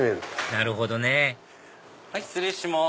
なるほどね失礼します